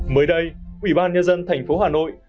mới đây ủy ban nhân dân thành phố hà nội